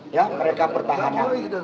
ya mereka pertahannya